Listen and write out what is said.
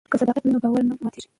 که صداقت وي نو باور نه ماتیږي.